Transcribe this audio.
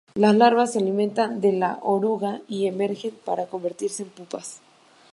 Las larvas se alimentan de la oruga y emergen para convertirse en pupas.